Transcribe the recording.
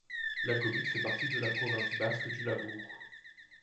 La commune fait partie de la province basque du Labourd.